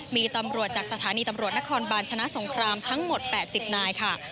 มีตำรวจจากสถานีตำรวจนครบาลชนะสงครามทั้งหมด๘๐นายค่ะ